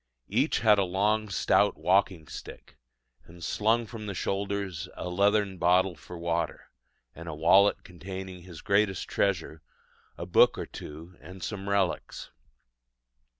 Each had a long stout walking stick: and slung from the shoulder a leathern bottle for water, and a wallet containing his greatest treasure a book or two and some relics.